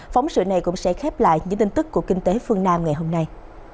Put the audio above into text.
phóng sự này cũng sẽ khép lại những tin tức của kinh tế phương nam ngày hôm nay